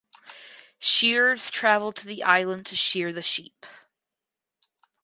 Shearers travelled to the island to shear the sheep.